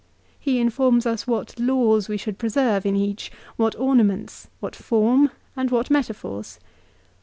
He informs us what laws we should preserve in each, what ornaments, what form, and what metaphors.